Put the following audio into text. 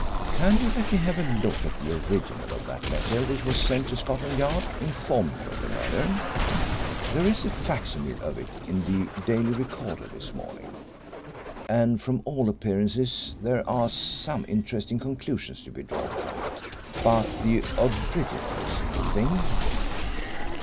Can you let me have a look at the original of that letter which was sent to Scotland Yard informing you of the murder? There is a facsimile of it in the Daily Recorder this morning, and from all appearances there are some interesting conclusions to be drawn from it. But the original is the thing."